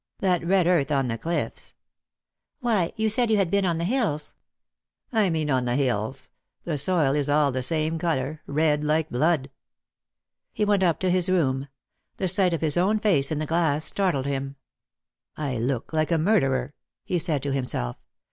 That red earth on the cliffs "" Why, you said you had been on the hills " I mean on the hills. The soil is all the same colour — red, like blood." He went up to his room. The sight of his own face in the glass startled him. " I look like a murderer," he said to himself.